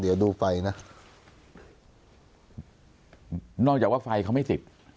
เดี๋ยวดูไฟนะนอกจากว่าไฟเขาไม่ติด